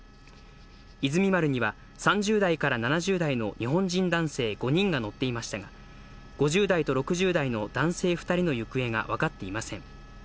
「いずみ丸」には３０代から７０代の日本人男性５人が乗っていましたが５０代と６０代の男性２人の行方がわかっていません。